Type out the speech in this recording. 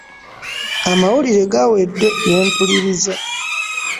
Amawulire gawedde gempuliriza.